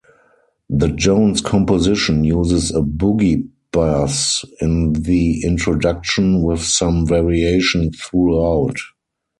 The Jones composition uses a boogie bass in the introduction with some variation throughout.